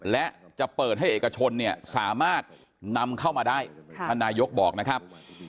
และจะเปิดให้เอกชนเนี่ยสามารถนำเข้ามาได้ท่านนายกบอกนะครับ